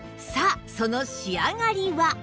さあその仕上がりは？